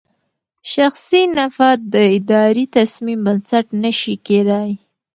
شخصي نفعه د اداري تصمیم بنسټ نه شي کېدای.